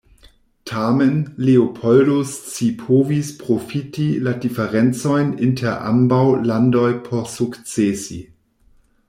Tamen, Leopoldo scipovis profiti la diferencojn inter ambaŭ landoj por sukcesi.